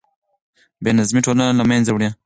بې نظمي ټولنه له منځه وړي.